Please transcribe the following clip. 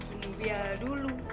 nah gue bikin dia dulu